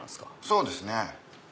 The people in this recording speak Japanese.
そうですね。